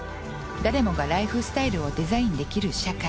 誰もがライフスタイルをデザインできる社会。